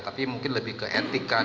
tapi mungkin lebih ke etik kan